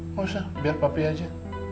nggak usah biar papi aja